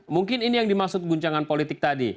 mungkin ini yang dimaksud guncangan politik tadi